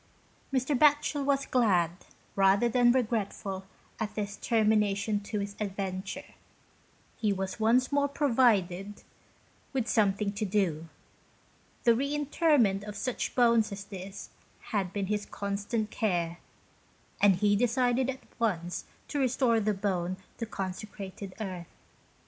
Mr. Batchel was glad, rather than regretful at this termination to his adventure. He was once more provided with something to do. The re interment of such bones as this had been his constant care, and he decided at once to restore the bone to consecrated earth.